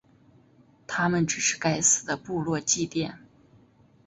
它们只是该死的部落祭典。